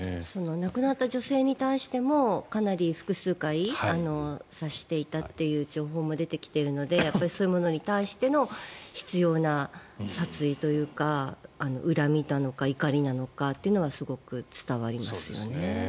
亡くなった女性に対してもかなり複数回刺していたという情報も出てきているのでそういうものに対しての執ような殺意というか恨みなのか怒りなのかというのがすごく伝わりますよね。